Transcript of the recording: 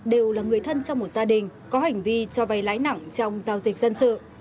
đều là người thân trong một gia đình có hành vi cho vay lãi nặng trong giao dịch dân sự